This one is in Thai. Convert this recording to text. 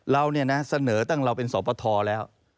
เราเสนอตั้งเราเป็นสอปทแล้ว